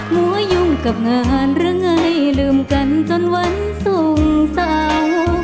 หัวยุ่งกับงานหรือไงลืมกันจนวันศุกร์เสาร์